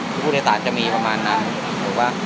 ทุกผู้ใดต่างจะมีประมาณนั้นถูกปะแล้วถ้าเรามันแต่ไปกับเขาเลย